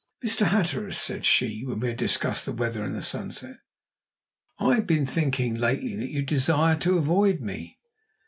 "Mr. Hatteras," said she, when we had discussed the weather and the sunset, "I have been thinking lately that you desire to avoid me."